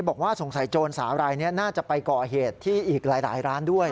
บอกว่าสงสัยโจรสาวรายนี้น่าจะไปก่อเหตุที่อีกหลายร้านด้วย